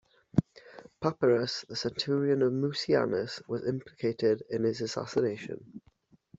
Papirus, the centurion of Mucianus, was implicated in his assassination.